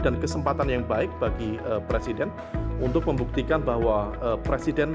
dan kesempatan yang baik bagi presiden untuk membuktikan bahwa ini adalah hal yang bisa diperlukan